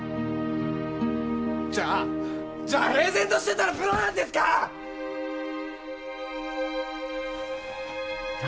じゃあ平然としてたらプロなんですかッ